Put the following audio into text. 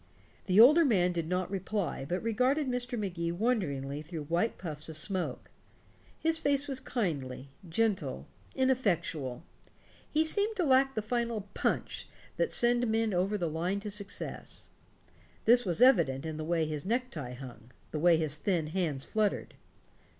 The older man did not reply, but regarded Mr. Magee wonderingly through white puffs of smoke. His face was kindly, gentle, ineffectual; he seemed to lack the final "punch" that send men over the line to success; this was evident in the way his necktie hung, the way his thin hands fluttered.